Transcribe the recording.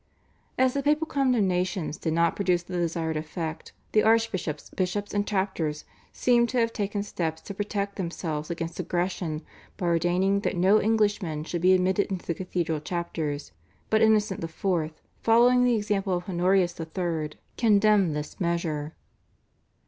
As the papal condemnations did not produce the desired effect, the archbishops, bishops, and chapters seem to have taken steps to protect themselves against aggression by ordaining that no Englishman should be admitted into the cathedral chapters, but Innocent IV., following the example of Honorius III., condemned this measure.